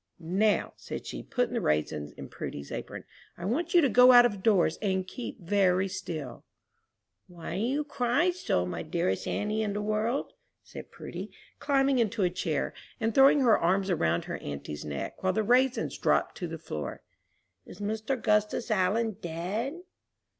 "Now," said she, putting the raisins in Prudy's apron, "I want you to go out of doors and keep very still." "Why do you cry so, my dearest auntie in the world?" said Prudy, climbing into a chair, and throwing her arms around her auntie's neck, while the raisins dropped to the floor; "is Mr. 'Gustus Allen dead?"